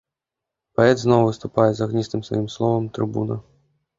Паэт зноў выступае з агністым сваім словам трыбуна.